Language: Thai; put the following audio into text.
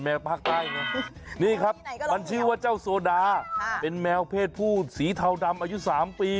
ภาคใต้นะนี่ครับมันชื่อว่าเจ้าโซดาเป็นแมวเพศผู้สีเทาดำอายุ๓ปี